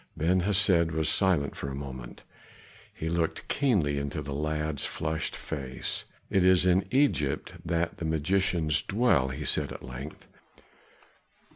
Ben Hesed was silent for a moment. He looked keenly into the lad's flushed face. "It is in Egypt that the magicians dwell," he said at length.